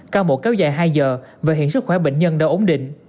ca mổ kéo dài hai giờ và hiện sức khỏe bệnh nhân đã ổn định